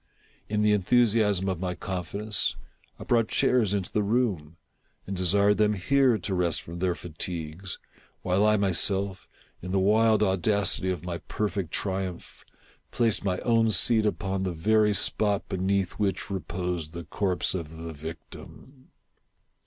In the enthusiasm of my confidence, I brought chairs into the room, and desired them here to rest froi their fatigues, while I myself, in the wild audacity of my perfect triumph, placed my own seat upon the very spot beneath which reposed the corpse of the victim.